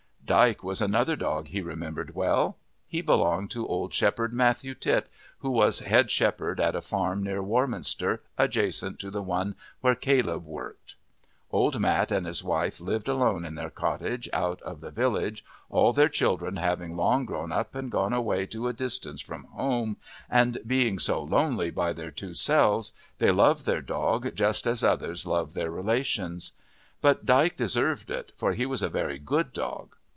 Dyke was another dog he remembered well. He belonged to old Shepherd Matthew Titt, who was head shepherd at a farm near Warminster, adjacent to the one where Caleb worked. Old Mat and his wife lived alone in their cottage out of the village, all their children having long grown up and gone away to a distance from home, and being so lonely "by their two selves" they loved their dog just as others love their relations. But Dyke deserved it, for he was a very good dog.